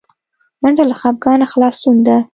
منډه له خپګانه خلاصون ده